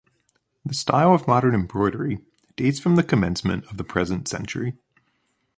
The style of modern embroidery dates from the commencement of the present century.